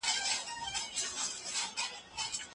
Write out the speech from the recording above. د ماشومانو حقوق باید په ټولو ملي قوانینو کي خوندي وي.